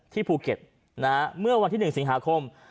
ที่ภูเก็ตนะฮะเมื่อวันที่๑สิงหาคม